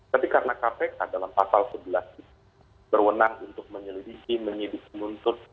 tapi karena kpk dalam pasal sebelas itu berwenang untuk menyelidiki menyidik menuntut